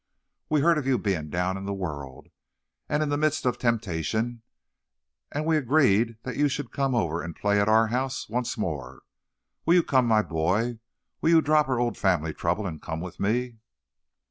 We heard of your being down in the world, and in the midst of temptation, and we agreed that you should come over and play at our house once more. Will you come, my boy? Will you drop our old family trouble and come with me?"